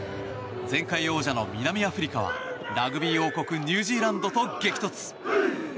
前回王者の南アフリカはラグビー王国ニュージーランドと激突。